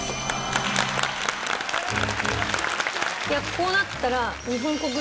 こうなったら。